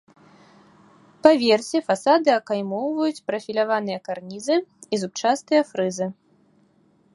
Па версе фасады акаймоўваюць прафіляваныя карнізы і зубчастыя фрызы.